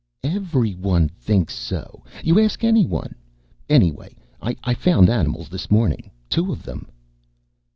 "Everyone thinks so. You ask anyone. Anyway, I found animals this morning. Two of them."